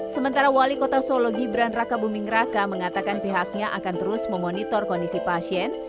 sementara wali kota solo gibran raka buming raka mengatakan pihaknya akan terus memonitor kondisi pasien